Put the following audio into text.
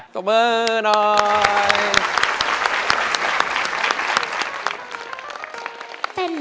ต้องมือน้อย